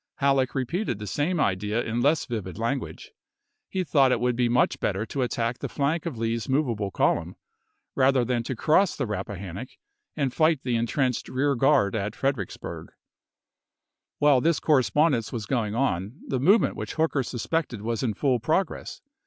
Halleck repeated Pp? 31*" the same idea in less vivid language ; he thought it would be much better to attack the flank of Lee's movable column, rather than to cross the Haueck Rappahannock and fight the intrenched rear guard t0 nSS* er' at Fredericksburg. While this correspondence was going on, the movement which Hooker suspected was in full progress.